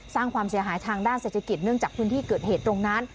สร้างความเสียหายทางด้านเศรษฐกิจเนื่องจากพื้นที่เกิดเหตุตรงนั้น